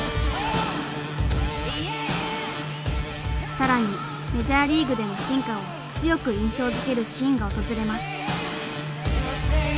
更にメジャーリーグでの進化を強く印象づけるシーンが訪れます。